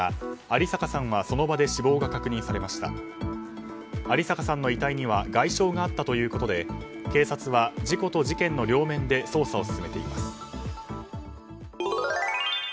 有坂さんの遺体には外傷があったということで警察は事故と事件の両面で捜査を進めています。